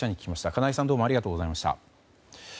金井さんどうもありがとうございました。